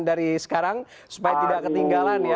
dari sekarang supaya tidak ketinggalan ya